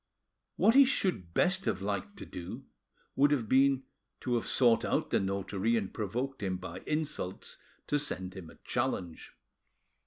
What he should best have liked to do, would have been to have sought out the notary and provoked him by insults to send him a challenge.